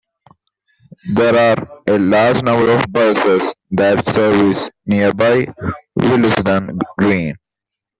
There are a large number of buses that service nearby Willesden Green.